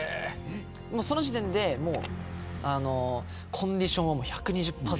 その時点でコンディションは１２０％